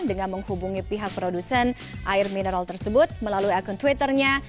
dengan menghubungi pihak produsen air mineral tersebut melalui akun twitternya